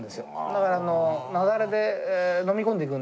だから雪崩でのみ込んでいくんでね。